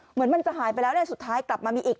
เหมือนมันจะหายไปแล้วเนี่ยสุดท้ายกลับมามีอีก